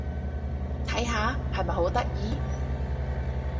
睇下！係咪好得意？